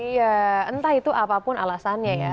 iya entah itu apapun alasannya ya